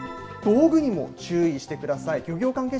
道具にも注意してください。